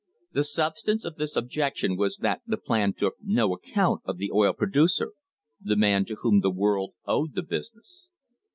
The substance of this objection was that the plan took no account of the oil producer — the man to whom the world owed the business.